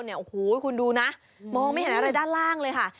โอ้โหคุณดูนะมองไม่เห็นอะไรด้านล่างเลยค่ะ